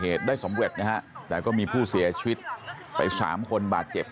เหตุได้สำเร็จนะฮะแต่ก็มีผู้เสียชีวิตไปสามคนบาดเจ็บ